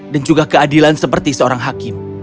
dan juga keadilan seperti seorang hakim